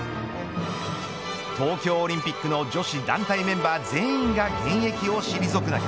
東京オリンピックの女子団体メンバー全員が現役を退く中